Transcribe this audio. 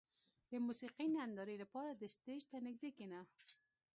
• د موسیقۍ نندارې لپاره د سټېج ته نږدې کښېنه.